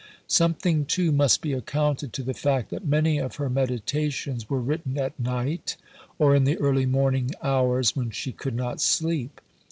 Something too must be accounted to the fact that many of her meditations were written at night or in the early morning hours when she could not sleep.